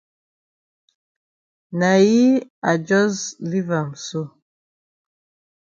Na yi I jus leave am so.